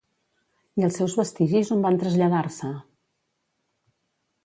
I els seus vestigis on van traslladar-se?